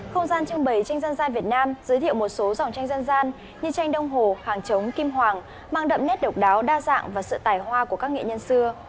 không gian trưng bày tranh dân gian việt nam giới thiệu một số dòng tranh dân gian như tranh đông hồ hàng trống kim hoàng mang đậm nét độc đáo đa dạng và sự tài hoa của các nghệ nhân xưa